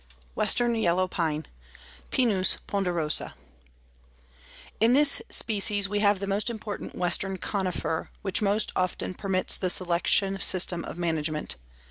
WESTERN YELLOW PINE (Pinus ponderosa) In this species we have the important western conifer which most often permits the selection system of management.